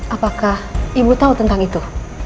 apakah ibu tahu tentang itu